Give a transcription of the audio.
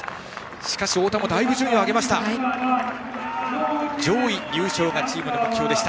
しかし、太田もだいぶ順位を上げました。